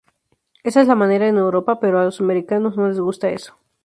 Esa es la manera en Europa, pero a los americanos no les gusta eso.